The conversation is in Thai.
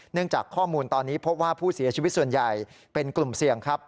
จากข้อมูลตอนนี้พบว่าผู้เสียชีวิตส่วนใหญ่เป็นกลุ่มเสี่ยงครับ